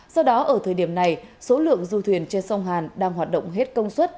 do đó ở thời điểm này số lượng du thuyền trên sông hàn đang hoạt động hết công suất